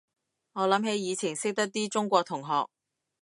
我諗起以前識得啲中國同學